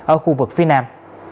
ở khu vực phía nam